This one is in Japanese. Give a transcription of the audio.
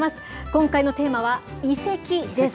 今回のテーマは、遺跡です。